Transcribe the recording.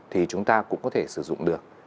thì chúng ta cũng có thể sử dụng được